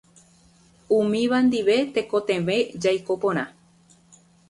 Umíva ndive tekotevẽ jaiko porã.